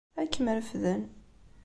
Ad kem-refden.